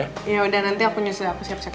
yaudah nanti aku nyusul aku siap siap